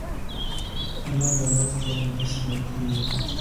انا د ادب ښوونې نه ستړي کېږي